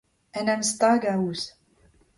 en em stagañ ouzh